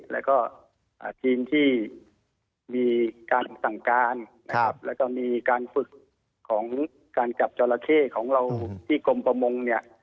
และก็ทีมที่มีการสั่งการและก็มีการฝึกของการจับเจ้าละเข้ของเราที่กรมประมง